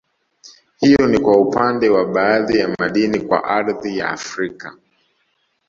Hiyo ni kwa upande wa baadhi ya madini kwa ardhi ya Afrika